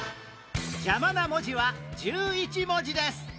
邪魔な文字は１１文字です